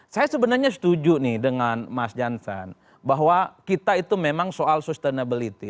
saya sebenarnya setuju nih dengan mas jansan bahwa kita itu memang soal sustainability